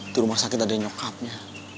di rumah sakit ada yang nyokapnya